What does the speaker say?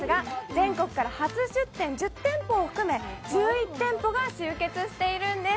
全国から初出店１０店舗を含め、１１店舗が集結しているんです。